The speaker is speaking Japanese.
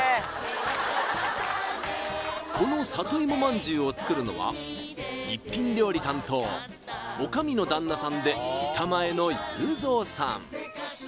この里いもまんじゅうを作るのは一品料理担当女将の旦那さんで板前の勇三さん